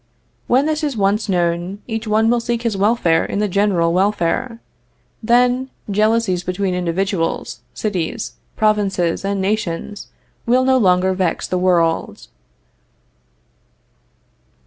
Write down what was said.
When this is once known, each one will seek his welfare in the general welfare. Then, jealousies between individuals, cities, provinces and nations, will no longer vex the world.